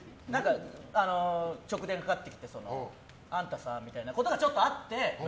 直電かかってきてあんたさみたいなことがちょっとあって。